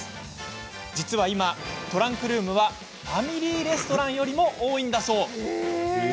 実は今、トランクルームはファミリーレストランよりも多いんだそう。